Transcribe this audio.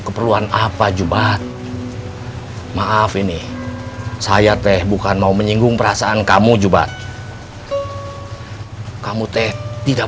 keperluan apa jubah maaf ini saya teh bukan mau menyinggung perasaan kamu jubah kamu teh tidak